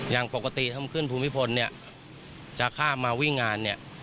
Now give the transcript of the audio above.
อย่างปกติทำขึ้นภูมิพลจะข้ามมาวิ่งงาน